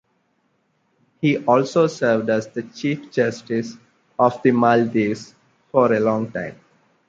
He also served as the Chief Justice of the Maldives for a long time.